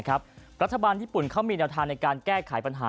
รัฐบาลญี่ปุ่นเขามีแนวทางในการแก้ไขปัญหา